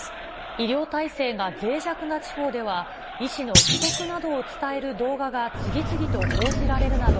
医療体制がぜい弱な地方では、医師の不足などを伝える動画が次々と報じられるなど、